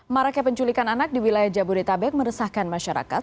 maraknya penculikan anak di wilayah jabodetabek meresahkan masyarakat